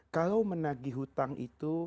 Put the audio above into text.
kalau menagihutang itu